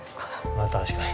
まあ確かに。